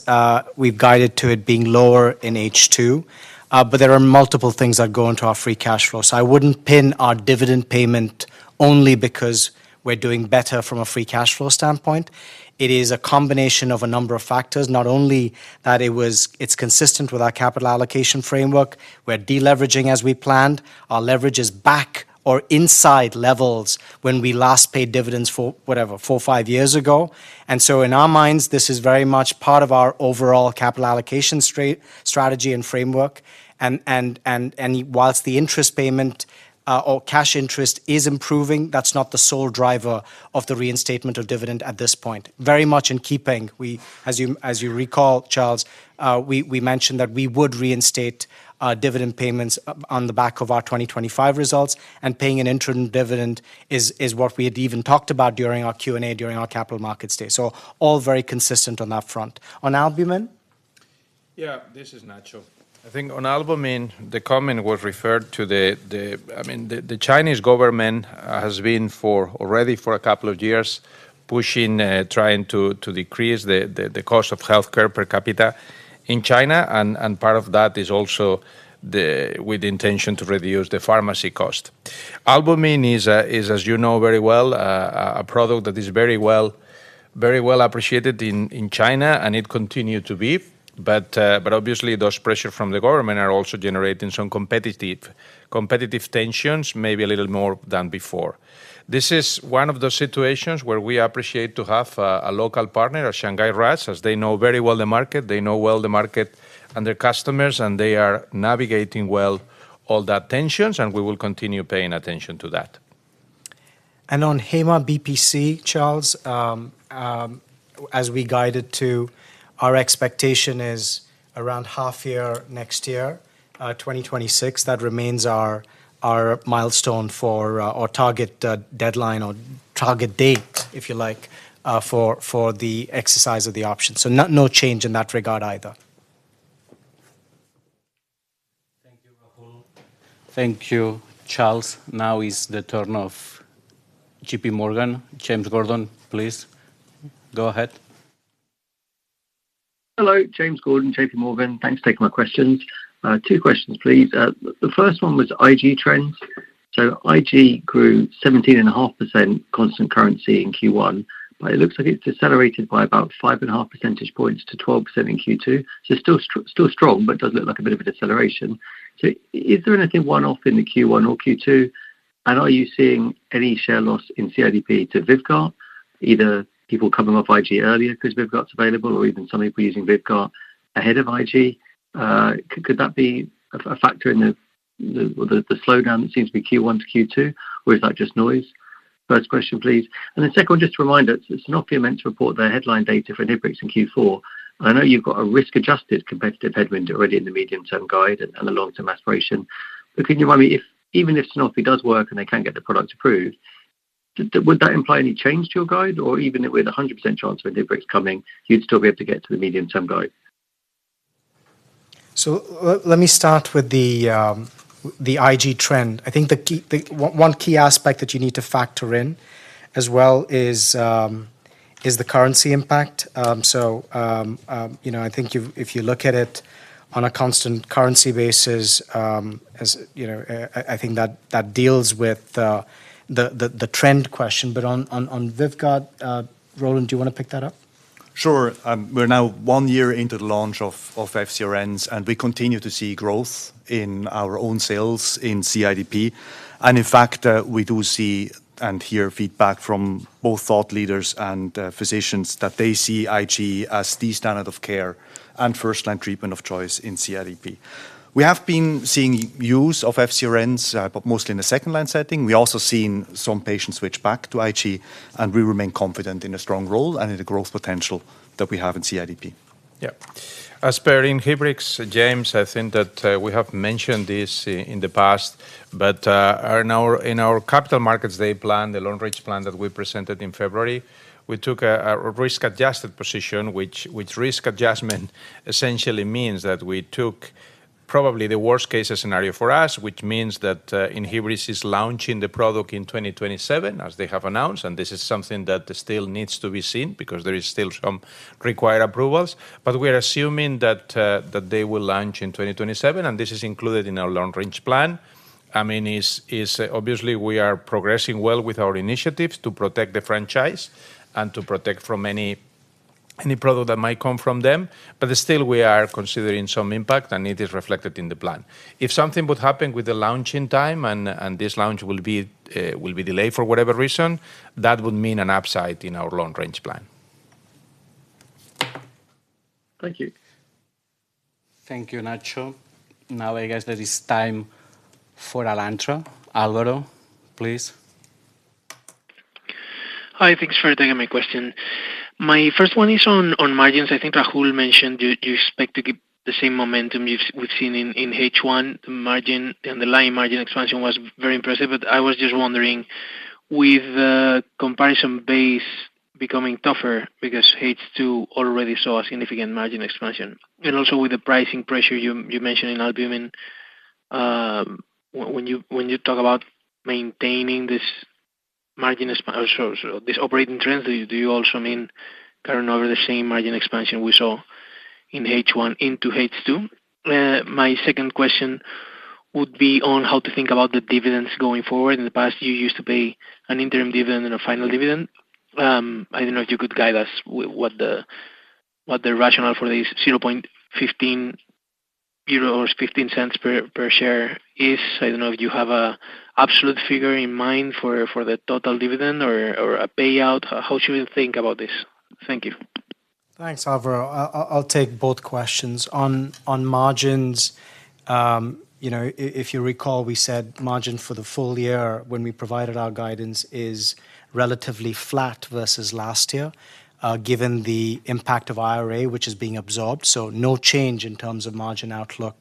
[SPEAKER 3] we've guided to it being lower in H2, but there are multiple things that go into our Free Cash Flow. I wouldn't pin our dividend payment only because we're doing better from a Free Cash Flow standpoint. It is a combination of a number of factors. Not only that, it's consistent with our capital allocation framework. We're deleveraging as we planned. Our leverage is back or inside levels when we last paid dividends, whatever, four or five years ago. In our minds, this is very much part of our overall capital allocation strategy and framework. Whilst the interest payment or cash interest is improving, that's not the sole driver of the reinstatement of dividend at this point. Very much in keeping, as you recall, Charles, we mentioned that we would reinstate dividend payments on the back of our 2025 results. Paying an interim dividend is what we had even talked about during our Q and A during our capital markets day. All very consistent on that front. On Albumin.
[SPEAKER 2] Yeah, this is, I think on Albumin the comment was referred to. I mean the Chinese government has been already for a couple of years pushing, trying to decrease the cost of health care per capita in China, and part of that is also with the intention to reduce the pharmacy cost. Albumin is, as you know very well, a product that is very well appreciated in China and it continues to be. Obviously, those pressures from the government are also generating some competitive tensions, maybe a little more than before. This is one of those situations where we appreciate having a local partner, Shanghai RAAS, as they know very well the market, they know well the market and their customers, and they are navigating well all that tension, and we will continue paying attention to that.
[SPEAKER 3] On Haema BPC, Charles, as we guided to, our expectation is around half year next year, 2026. That remains our milestone for our target deadline or target date, if you like, for the exercise of the option. No change in that regard either.
[SPEAKER 4] Thank you, Rahul.
[SPEAKER 1] Thank you, Charles. Now is the turn of JPMorgan. James Gordon, please go ahead.
[SPEAKER 5] Hello James Gordon, JPMorgan. Thanks for taking my questions. Two questions please. The first one was IG trends. IG grew 17.5% constant currency in Q1, but it looks like it's decelerated by about 5.5 percentage points to 12% in Q2. Still strong, but does look like a bit of a deceleration. Is there anything one-off in Q1 or Q2? Are you seeing any share loss in CIDP to Vyvgart? Either people coming off IG earlier because Vyvgart's available or even some people using Vyvgart ahead of IG? Could that be a factor in the slowdown that seems to be Q1 to Q2, or is that just noise? First question please. The second one, just to remind us, Sanofi are meant to report their headline data for Inhibrx in Q4. I know you've got a risk-adjusted competitive headwind already in the medium-term guide and the long-term aspiration, but can you remind me, if even if Sanofi does work and they can't get the product approved, would that imply any change to your guide? Or even with 100% chance of a Inhibrx coming, you'd still be able to get to the medium-term guide.
[SPEAKER 3] Let me start with the IG trend. I think one key aspect that you need to factor in as well is the currency impact. I think if you look at it on a constant currency basis. I think that deals with the trend question, but on Vyvgart. Roland, do you want to pick that up?
[SPEAKER 6] Sure. We're now one year into the launch of FcRns, and we continue to see growth in our own sales in CIDP. In fact, we do see and hear feedback from both thought leaders and physicians that they see IG as the standard of care and first line treatment of choice in CIDP. We have been seeing use of FcRns, but mostly in a second line setting. We have also seen some patients switch back to IG, and we remain confident in a strong role and in the growth potential that we have in CIDP.
[SPEAKER 2] Yeah, as per in Inhibrx. James, I think that we have mentioned this in the past, but in our Capital Markets Day plan, the long range plan that we presented in February, we took a risk-adjusted position, which risk adjustment essentially means that we took probably the worst case scenario for us, which means that Inhibrx is launching the product in 2027 as they have announced. This is something that still needs to be seen because there are still some required approvals. We are assuming that they will launch in 2027 and this is included in our long range plan. I mean, obviously we are progressing well with our initiatives to protect the franchise and to protect from any product that might come from them, but still we are considering some impact and it is reflected in the plan. If something would happen with the launch in time and this launch will be delayed for whatever reason, that would mean an upside in our long range plan.
[SPEAKER 5] Thank you.
[SPEAKER 1] Thank you, Nacho. Now I guess there is time for Alantra. Álvaro please.
[SPEAKER 7] Hi. Thanks for taking my question. My first one is on margins. I think Rahul mentioned you expect to keep the same momentum we've seen in H1 margin. Underlying margin expansion was very impressive. I was just wondering, with comparison base becoming tougher because H2 already saw a significant margin expansion and also with the pricing pressure you mentioned in Albumin, when you talk about maintaining this margin expansion, this operating trend, do you also mean carrying over the same margin expansion we saw in H1 into H2? My second question would be on how to think about the dividends going forward. In the past you used to pay an interim dividend and a final dividend. I don't know if you could guide us what the rationale for this 0.15 euros per share is. I don't know if you have an absolute figure in mind for the total dividend or a payout. How should we think about this? Thank you.
[SPEAKER 3] Thanks, Álvaro. I'll take both questions. On margins, if you recall, we said margin for the full year when we provided our guidance is relatively flat versus last year given the impact of IRA, which is being absorbed. No change in terms of margin outlook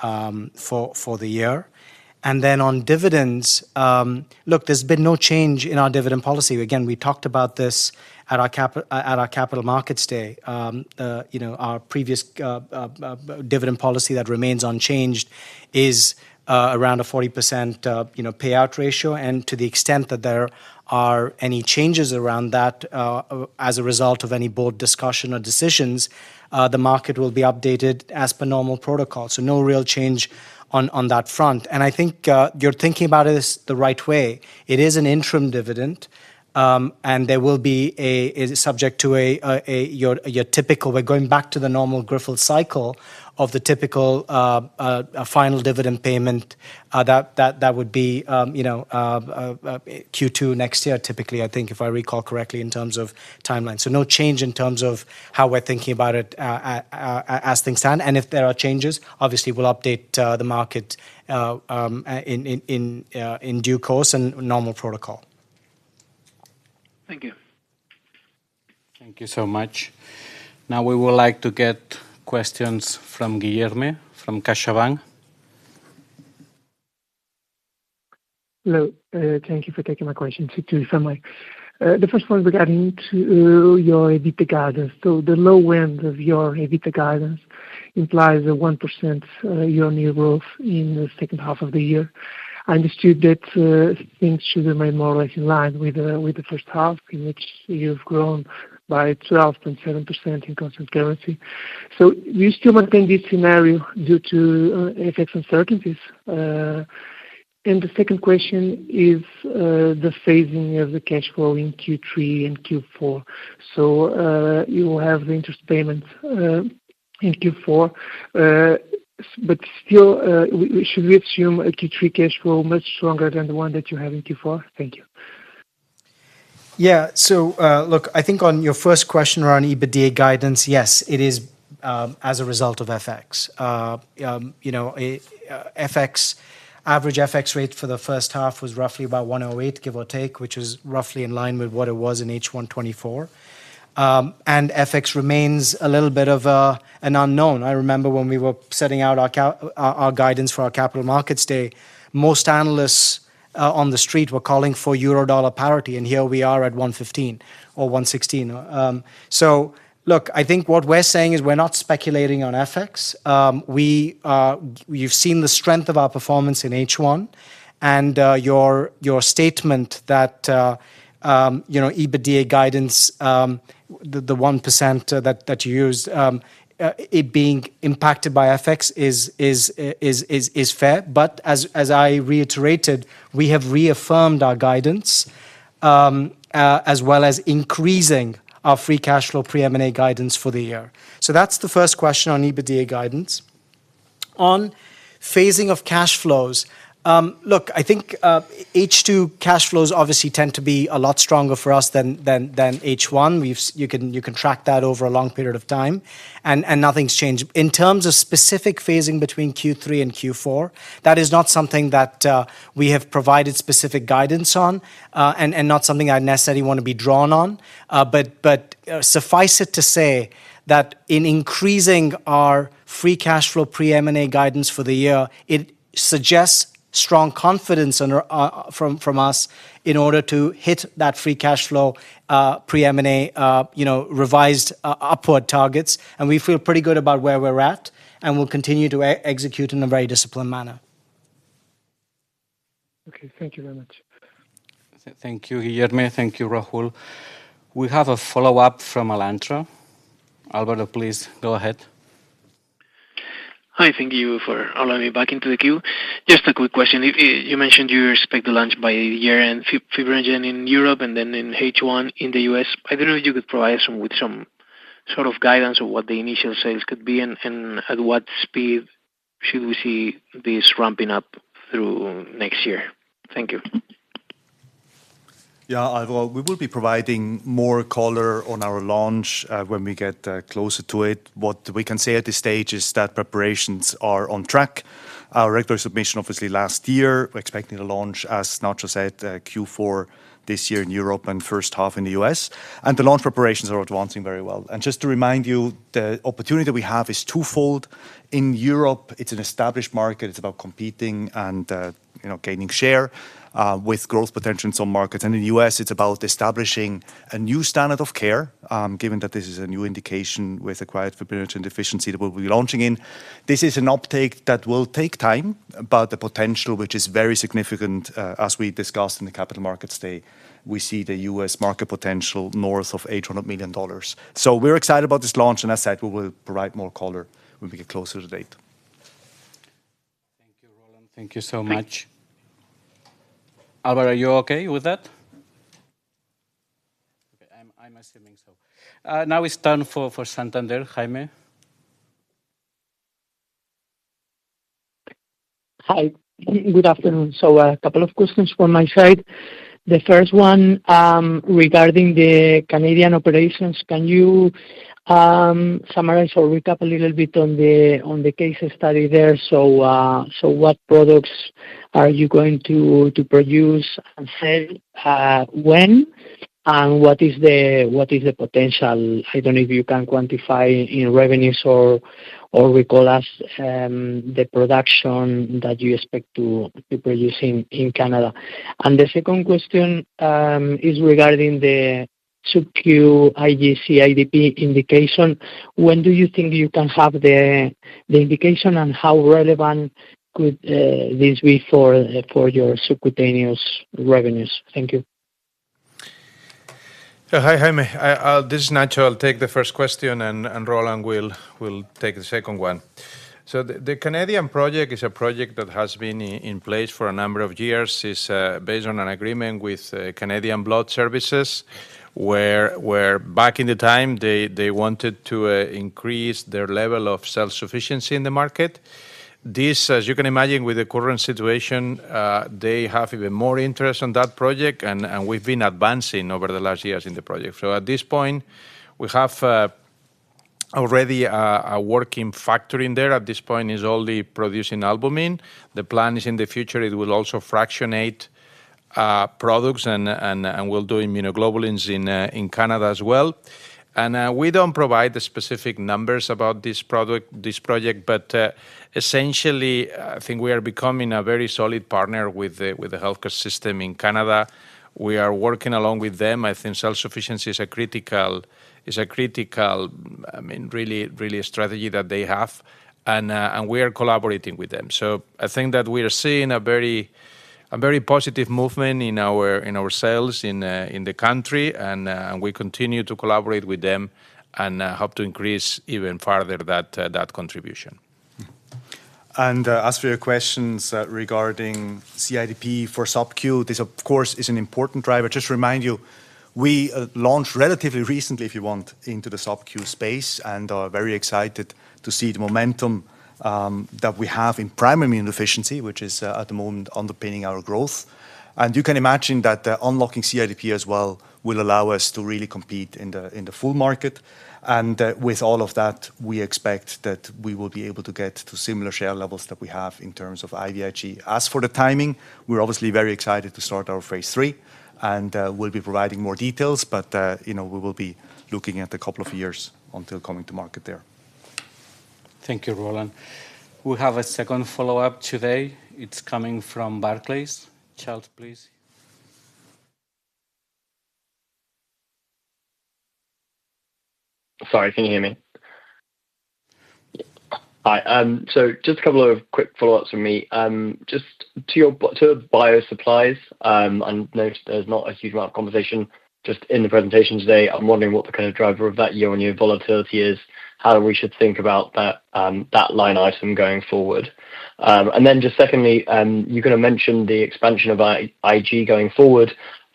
[SPEAKER 3] for the year. On dividends, there's been no change in our dividend policy. Again, we talked about this at our Capital Markets Day. Our previous dividend policy that remains unchanged is around a 40% payout ratio. To the extent that there are any changes around that as a result of any board discussion or decisions, the market will be updated as per normal protocol. No real change on that front. I think you're thinking about this the right way. It is an interim dividend and will be subject to your typical process. We're going back to the normal Grifols cycle of the typical final dividend payment. That would be Q2 next year, typically, if I recall correctly in terms of timeline. No change in terms of how we're thinking about it as things stand. If there are changes, obviously we'll update the market in due course and normal protocol.
[SPEAKER 7] Thank you.
[SPEAKER 1] Thank you so much. Now we would like to get questions from Guilherme from CaixaBank.
[SPEAKER 8] Hello, thank you for taking my question. The first one regarding your EBITDA guidance. The low end of your EBITDA guidance implies a 1% year-on-year growth in the second half of the year. I understood that things should remain more or less in line with the first half in which you've grown by 12.7% in constant currency. We still maintain this scenario due to FX uncertainties. The second question is the phasing of the cash flow in Q3 and Q4. You will have the interest payments in Q4, but still should we assume Q3 cash flow much stronger than the one that you have in Q4? Thank you.
[SPEAKER 3] Yeah. So look, I think on your first question around EBITDA guidance, yes, it is as a result of FX. You know, average FX rate for the first half was roughly about $1.08, give or take, which is roughly in line with what it was in H1 2024. FX remains a little bit of an unknown. I remember when we were setting out our guidance for our capital markets day. Most analysts on the street were calling for Euro dollar parity and here we are at $1.15 or $1.16. I think what we're saying is we're not speculating on FX. You've seen the strength of our performance in H1 and your statement that EBITDA guidance, the 1% that you used it being impacted by FX is fair. As I reiterated, we have reaffirmed our guidance as well as increasing our Free Cash Flow pre-M&A guidance for the year. That's the first question on EBITDA guidance. On phasing of cash flows, I think H2 cash flows obviously tend to be a lot stronger for us than H1. You can track that over a long period of time and nothing's changed in terms of specific phasing between Q3 and Q4. That is not something that we have provided specific guidance on and not something I necessarily want to be drawn on. Suffice it to say that in increasing our Free Cash Flow pre-M&A guidance for the year, it suggests strong confidence from us in order to hit that Free Cash Flow pre-M&A revised upward targets. We feel pretty good about where we're at and will continue to execute in a very disciplined manner.
[SPEAKER 8] Okay, thank you very much.
[SPEAKER 1] Thank you, Guilherme. Thank you, Rahul. We have a follow-up from Alantra. Álvaro, please go ahead.
[SPEAKER 7] Hi, thank you for allowing me back into the queue. Just a quick question. You mentioned you expect to launch by year end Fibrinogen in Europe and then in H1 in the U.S. I don't know if you could provide us with some sort of guidance of what the initial sales could be and at what speed should we see this ramping up through next year. Thank you.
[SPEAKER 6] Yeah, we will be providing more color on our launch when we get closer to it. What we can say at this stage is that preparations are on track. Our regular submission, obviously last year. We're expecting a launch, as Nacho said, Q4 this year in Europe and first half in the U.S. and the launch preparations are advancing very well. Just to remind you, the opportunity we have is twofold. In Europe it's an established market, it's about competing and gaining share with growth potential in some markets and in the U.S. it's about establishing a new standard of care given that this is a new indication with acquired fibrinogen deficiency that we'll be launching in. This is an uptake that will take time about the potential, which is very significant. As we discussed in the capital markets day, we see the U.S. market potential north of $800 million. We're excited about this launch and as said, we will provide more color when we get closer to date.
[SPEAKER 1] Thank you, Roland. Thank you so much. Álvaro, are you okay with that? I'm assuming so. Now it's done for Santander. Jaime.
[SPEAKER 9] Hi, good afternoon. A couple of questions from my side. The first one regarding the Canadian operations. Can you summarize or recap a little bit on the case study there? What products are you going to produce and sell? When and what is the potential? I don't know if you can quantify in revenues or recall the production that you expect to be producing in Canada. The second question is regarding the subcu IG CIDP indication. When do you think you can have the indication and how relevant could this be for your subcutaneous revenues? Thank you.
[SPEAKER 2] Hi Jaime, this is Nacho. I'll take the first question and Roland will take the second one. The Canadian project is a project that has been in place for a number of years, is based on an agreement with Canadian Blood Services where back in the time they wanted to increase their level of self-sufficiency in the market. As you can imagine with the current situation, they have even more interest in that project and we've been advancing over the last years in the project. At this point we have already a working factory in there, at this point it is only producing Albumin. The plan is in the future it will also fractionate products and we'll do immunoglobulins in Canada as well. We don't provide the specific numbers about this project but essentially I think we are becoming a very solid partner with the healthcare system in Canada. We are working along with them. I think self-sufficiency is a critical, I mean really, strategy that they have and we are collaborating with them. I think that we are seeing a very positive movement in ourselves, in the country and we continue to collaborate with them and hope to increase even further that contribution.
[SPEAKER 6] As for your questions regarding CIDP for subcu, this of course is an important driver. Just remind you we launched relatively recently if you want into the subcu space and are very excited to see the momentum that we have in primary efficiency, which is at the moment underpinning our growth. You can imagine that unlocking CIDP as well will allow us to really compete in the full market, and with all of that we expect that we will be able to get to similar share levels that we have in terms of IVIG. As for the timing, we're obviously very excited to start our phase 3 and we'll be providing more details, but you know we will be looking at a couple of years until coming to market there.
[SPEAKER 1] Thank you, Roland. We have a second follow-up today, it's coming from Barclays. Charles, please.
[SPEAKER 4] Sorry, can you hear me? Hi. Just a couple of quick follow ups from me to your Bio Supplies. I noticed there's not a huge amount of conversation in the presentation today. I'm wondering what the kind of driver of that year on year volatility is, how we should think about that line item going forward. Then just secondly, you're going to mention the expansion of IG going forward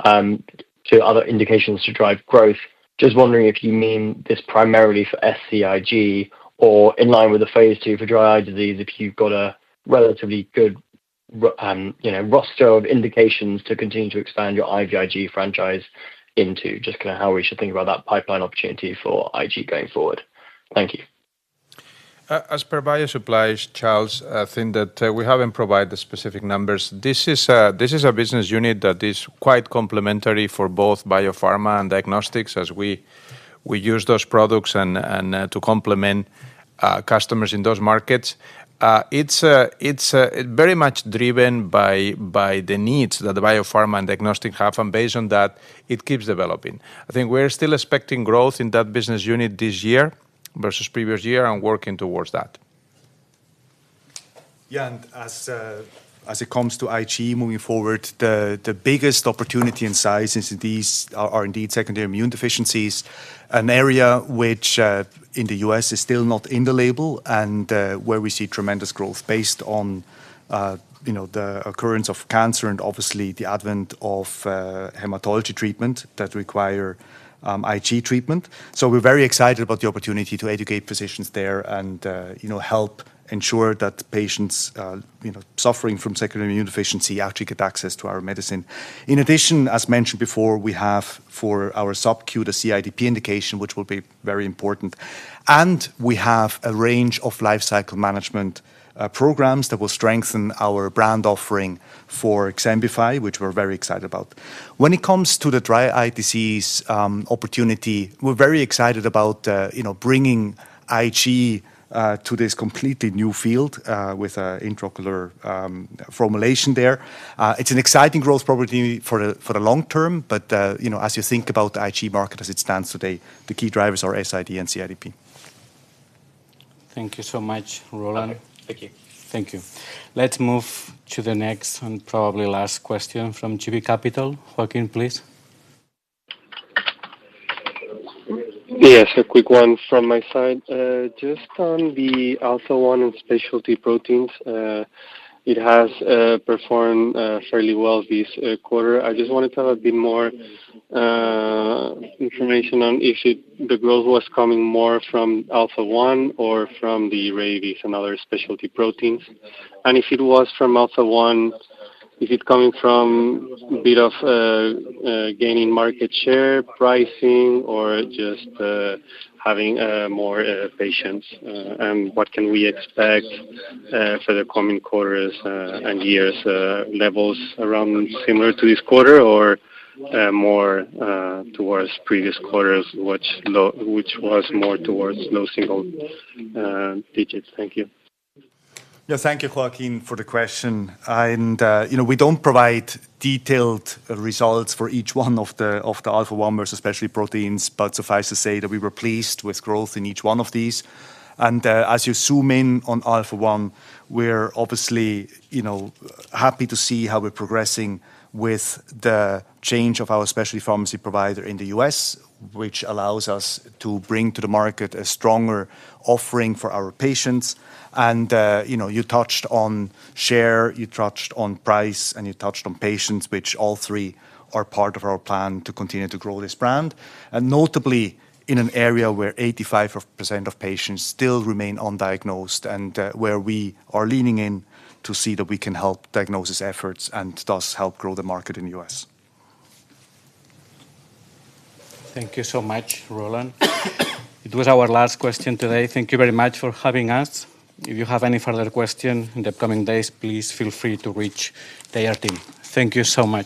[SPEAKER 4] to other indications to drive growth. Just wondering if you mean this primarily for SCIG or in line with the phase 2 for Dry Eye Disease. If you've got a relatively good roster of indications to continue to expand your IVIG franchise into, just kind of how we should think about that pipeline opportunity for IG going forward. Thank you.
[SPEAKER 2] As per bio supplies, Charles, I think that we haven't provided the specific numbers. This is a business unit that is quite complementary for both Biopharma and Diagnostics as we use those products to complement customers in those markets. It's very much driven by the needs that Biopharma and Diagnostics have, and based on that it keeps developing. I think we're still expecting growth in that business unit this year versus previous year and working towards that.
[SPEAKER 6] As it comes to IG moving forward, the biggest opportunity in size is these are indeed secondary immune deficiencies, an area which in the U.S. is still not in the label and where we see tremendous growth based on the occurrence of cancer and obviously the advent of hematology treatment that require IG treatment. We're very excited about the opportunity to educate physicians there and help ensure that patients suffering from secondary immune deficiency actually get access to our medicine. In addition, as mentioned before, we have for our subcu the CIDP indication, which will be very important, and we have a range of lifecycle management programs that will strengthen our brand offering for Xembify, which we're very excited about. When it comes to the Dry Eye Disease opportunity, we're very excited about bringing IG to this completely new field with an intracloud formulation there. It's an exciting growth property for the long term. As you think about the IG market as it stands today, the key drivers are SID and CIDP.
[SPEAKER 1] Thank you so much, Roland.
[SPEAKER 4] Thank you.
[SPEAKER 1] Thank you. Let's move to the next and probably last question from JB Capital, Joaquín, please.
[SPEAKER 10] Yes, a quick one from my side just on the Alpha-1 and specialty proteins, it has performed fairly well this quarter. I just wanted to have a bit more information on if the growth was coming more from Alpha-1 or from the Rabies and other specialty proteins. If it was from Alpha-1, is it coming from a bit of gaining market share, pricing, or just having more patients, and what can we expect for the coming quarters and years? Levels around similar to this quarter or more towards previous quarters, which was more towards low-single digits?
[SPEAKER 6] Thank you, thank you Joaquín for the question. You know we don't provide detailed results for each one of the Alpha-1 versus specialty proteins, but suffice to say that we were pleased with growth in each one of these. As you zoom in on Alpha-1, we're obviously happy to see how we're progressing with the change of our specialty pharmacy provider in the U.S., which allows us to bring to the market a stronger offering for our patients. You touched on share, you touched on price, and you touched on patients, which also all three are part of our plan to continue to grow this brand, notably in an area where 85% of patients still remain undiagnosed and where we are leaning in to see that we can help diagnosis efforts and thus help grow the market. U.S.
[SPEAKER 1] Thank you so much, Roland. It was our last question today. Thank you very much for having us. If you have any further question in the upcoming days, please feel free to reach IR team. Thank you so much.